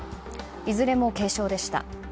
いずれも軽症でした。